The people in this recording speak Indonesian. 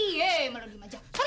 eh malu malu di majapahla